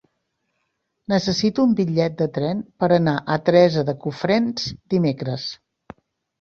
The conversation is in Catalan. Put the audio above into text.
Necessito un bitllet de tren per anar a Teresa de Cofrents dimecres.